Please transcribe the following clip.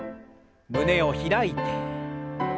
胸を開いて。